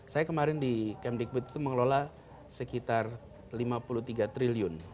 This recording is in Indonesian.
saya kemarin di camp digbit itu mengelola sekitar lima puluh tiga triliun